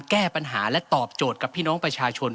แก้ปัญหาและตอบโจทย์กับพี่น้องประชาชน